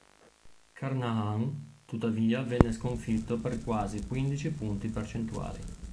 Carnahan tuttavia venne sconfitto per quasi quindici punti percentuali.